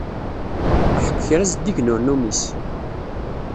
Aḥeqq kra zeddigen ur numis!